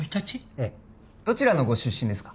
ええどちらのご出身ですか？